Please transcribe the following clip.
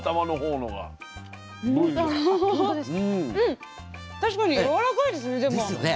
うん確かにやわらかいですねでも。ですね。